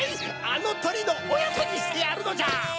あのトリのおやつにしてやるのじゃ！